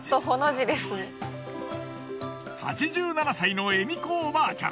８７歳のエミ子おばあちゃん。